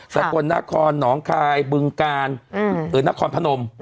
แต่คนนครหนองคลายบึงกาลหรือนครพนม